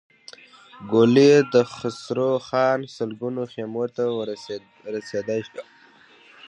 ګولۍ يې د خسروخان سلګونو خيمو ته ور رسېدای شوای.